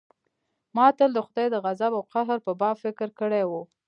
ما تل د خداى د غضب او قهر په باب فکر کړى و.